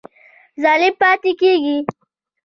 ظلم پاتی کیږي؟